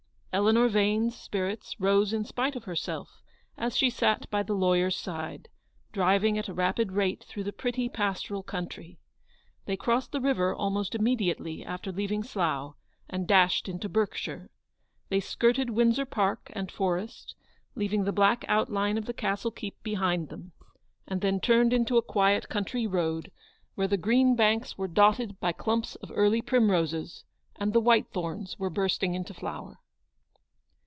Eleanor Vane's spirits rose in spite of herself as she sat by the lawyer's side, driving at a rapid rate through the pretty pastoral country. They crossed the river almost immediately after leaving Slough, and dashed into Berkshire. They skirted Windsor Park and Forest, leaving the black out line of the castle keep behind them ; and then turned into a quiet country road, where the green banks were dotted by clumps of early primroses, and the whitethorns were bursting into flower.